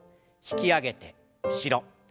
引き上げて後ろ。